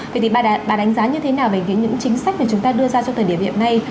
vậy thì bà đánh giá như thế nào về những chính sách mà chúng ta đưa ra trong thời điểm hiện nay